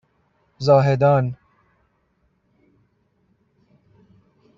زاهدان